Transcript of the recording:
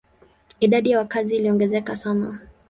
Idadi ya wakazi iliongezeka sana.